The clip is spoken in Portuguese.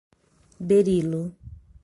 Berilo